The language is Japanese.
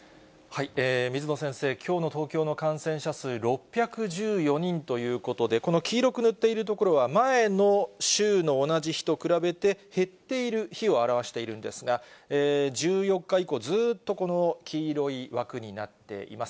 水野先生、きょうの東京の感染者数、６１４人ということで、この黄色く塗っている所は、前の週の同じ日と比べて、減っている日を表しているんですが、１４日以降、ずっとこの黄色い枠になっています。